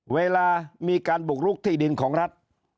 เวลามีการบุกลุกที่ดินของรัฐ